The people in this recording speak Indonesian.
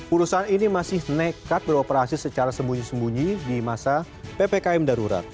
urusan ini masih nekat beroperasi secara sembunyi sembunyi di masa ppkm darurat